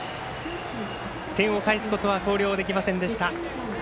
点を返すことは広陵できませんでした。